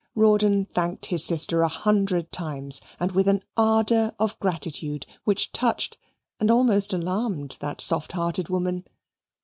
Rawdon thanked his sister a hundred times, and with an ardour of gratitude which touched and almost alarmed that soft hearted woman.